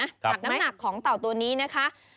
กับน้ำหนักของเต่าตัวนี้นะคะ